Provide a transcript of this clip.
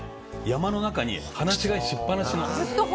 山の中に放し飼いしっぱなしの。